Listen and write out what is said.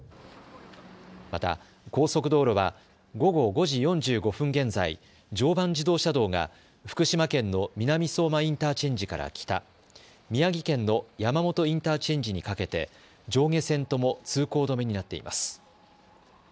また高速道路は午後５時４５分現在、常磐自動車道が福島県の南相馬インターチェンジから北、宮城県の山元インターチェンジにかけて上下線とも通行止めになっています。